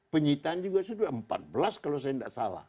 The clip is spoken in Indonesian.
penyitaan juga sudah empat belas kalau saya tidak salah